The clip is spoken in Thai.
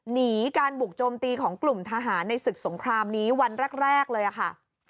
หนีการบุกโจมตีของกลุ่มทหารในศึกสงครามนี้วันแรกเลยค่ะ